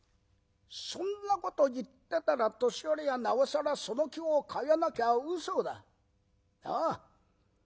そんなこと言ってたら年寄りはなおさらその気を変えなきゃうそだ。なあ。